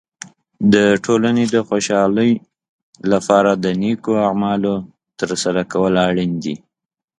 د ټولنې د خوشحالۍ لپاره د نیکو اعمالو تر سره کول اړین دي.